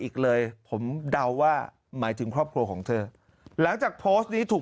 อีกเลยผมเดาว่าหมายถึงครอบครัวของเธอหลังจากโพสต์นี้ถูก